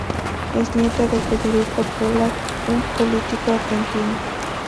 Es nieta de Federico Polak, un político argentino.